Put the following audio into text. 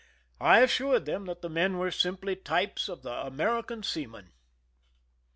I assured them that the men were simply types of the American seaman.